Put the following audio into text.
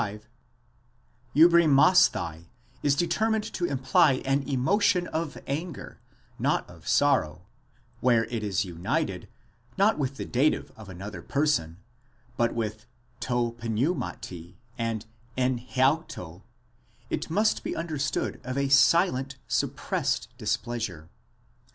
5), ἐμβριμᾶσθαι is determined to imply an emotion of anger, not of sorrow; where it is united, not with the dative of another person, but with τῷ πνεύματι and ἐν ἑαυτῷ, it must be understood of a silent, suppressed displeasure.